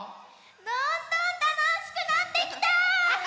どんどんたのしくなってきた！